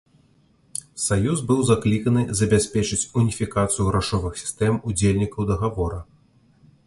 Саюз быў закліканы забяспечыць уніфікацыю грашовых сістэм удзельнікаў дагавора.